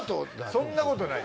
そんなことない。